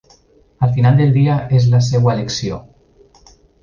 Al final del dia, és la seva elecció.